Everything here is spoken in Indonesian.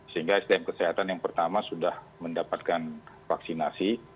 sehingga sdm kesehatan yang pertama sudah mendapatkan vaksinasi